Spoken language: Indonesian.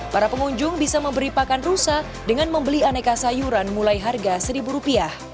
para pengunjung bisa memberi pakan rusa dengan membeli aneka sayuran mulai harga rp satu